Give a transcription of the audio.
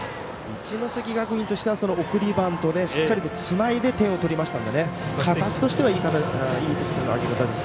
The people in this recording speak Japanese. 一関学院としては送りバントでしっかりつないで点を取りましたので形としてはいい点の挙げ方です。